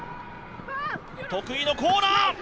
得意のコーナー！